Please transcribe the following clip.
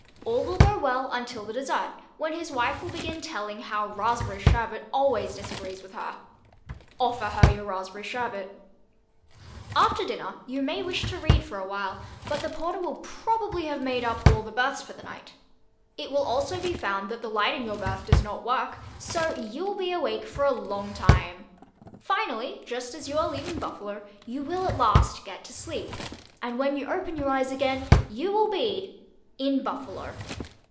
All will go well until the dessert, when his wife will begin telling how raspberry sherbet always disagrees with her. Offer her your raspberry sherbet. After dinner you may wish to read for a while, but the porter will probably have made up all the berths for the night. It will also be found that the light in your berth does not work, so you will be awake for a long time; finally, just as you are leaving Buffalo, you will at last get to sleep, and when you open your eyes again, you will be—in Buffalo.